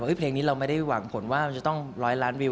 เพลงนี้เราไม่ได้หวังผลว่ามันจะต้องร้อยล้านวิว